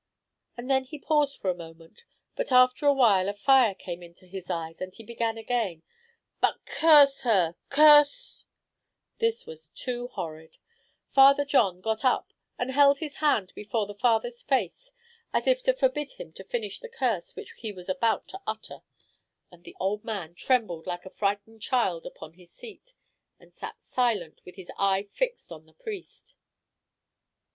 He then paused for a moment, but after a while a fire came into his eyes and he began again, "but curse her curse " This was too horrid; Father John got up and held his hand before the father's face, as if to forbid him to finish the curse which he was about to utter; and the old man trembled like a frightened child upon his seat, and sat silent with his eye fixed on the priest.